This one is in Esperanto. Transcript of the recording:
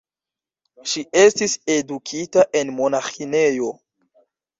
Ŝi estis edukita en monaĥinejo.